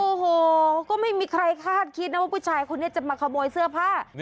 โอ้โหก็ไม่มีใครคาดคิดนะว่าผู้ชายคนนี้จะมาขโมยเสื้อผ้า